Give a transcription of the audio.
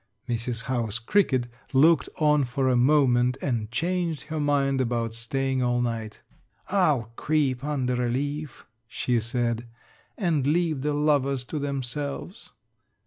Mrs. House Cricket looked on for a moment and changed her mind about staying all night. "I'll creep under a leaf," she said, "and leave the lovers to themselves."